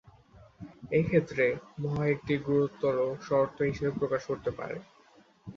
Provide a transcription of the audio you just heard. এক্ষেত্রে ভয় একটি গুরুতর শর্ত হিসাবে প্রকাশ করতে পারে।